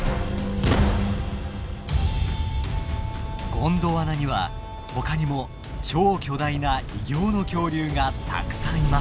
ゴンドワナにはほかにも超巨大な異形の恐竜がたくさんいます。